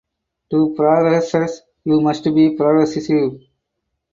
To progress you must be progressive.